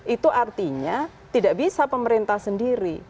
itu artinya tidak bisa pemerintah sendiri